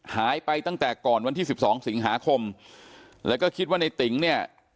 หายไปตั้งแต่ก่อนวันที่สิบสองสิงหาคมแล้วก็คิดว่าในติ๋งเนี่ย